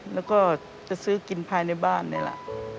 แล้วก็จะซื้อกินภายในบ้านนี่แหละ